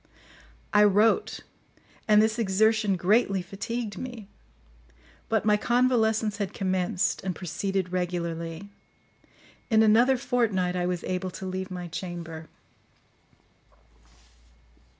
I wrote, and this exertion greatly fatigued me; but my convalescence had commenced, and proceeded regularly. In another fortnight I was able to leave my chamber.